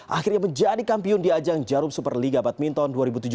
akhirnya menjadi kampiun di ajang jarum super liga badminton dua ribu tujuh belas